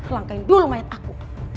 langkain dulu mayat aku